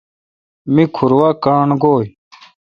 می کھور وا کاݨ گوی۔